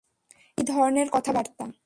এটা কী ধরনের কথাবার্তা?